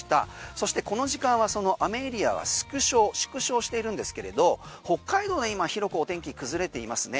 そしてこの時間はその雨エリアは縮小しているんですけれど北海道で今広く天気崩れていますね。